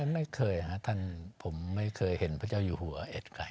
ไม่เคยครับท่านผมไม่เคยเห็นพระเจ้าอยู่หัวเอ็ดไก่